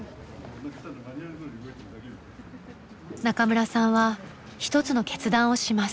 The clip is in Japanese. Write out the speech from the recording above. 中村さんは一つの決断をします。